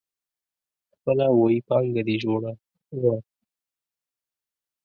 خپله ويي پانګه دي جوړوه.